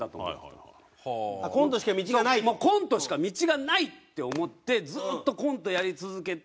コントしか道がない？って思ってずーっとコントやり続けて。